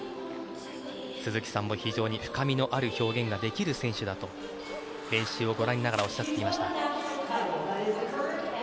鈴木さんも非常に深みのある表現ができる選手だと練習をご覧になりながらおっしゃっていました。